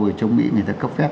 ở trong mỹ người ta cấp phép